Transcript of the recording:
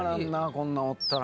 こんなんおったら。